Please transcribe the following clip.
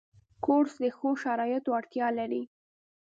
کورس د ښو شرایطو اړتیا لري.